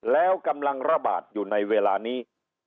แล้วกำลังระบาดอยู่ในเวลานี้